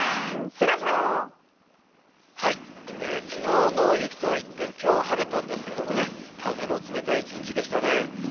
きのうの雪とは一転、きょうは晴れたんですけれどもね、風の冷たい一日でしたね。